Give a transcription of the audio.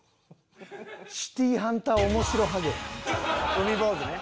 海坊主ね。